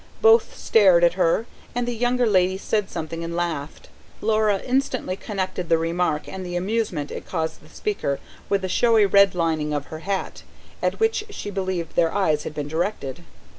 Both stared at her, and the younger lady said something, and laughed. Laura instantly connected the remark, and the amusement it caused the speaker, with the showy red lining of her hat, at which she believed their eyes had been directed.